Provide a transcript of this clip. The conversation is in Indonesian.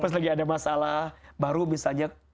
pas lagi ada masalah baru misalnya